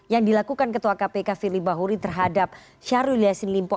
yang dilakukan ketua kpk firly bahuri terhadap syahrul yassin limpo